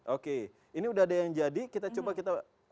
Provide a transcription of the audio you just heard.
oke ini udah ada yang jadi kita coba kita